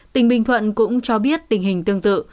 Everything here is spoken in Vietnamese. tỉnh bình thuận cũng cho biết tình hình tương tự